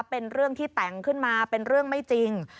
เป็นเรื่องที่แต่งขึ้นมาเป็นเรื่องไม่จริง